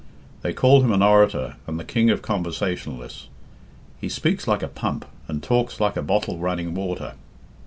They call him an orator and the king of conversationalists. He speaks like a pump, and talks like a bottle running water.